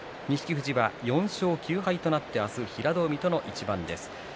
富士は４勝９敗となって明日は平戸海との一番です。